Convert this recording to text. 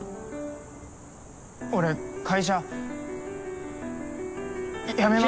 俺会社や辞めます。